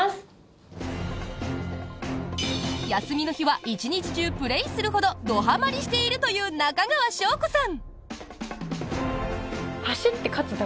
休みの日は１日中プレーするほどどはまりしているという中川翔子さん。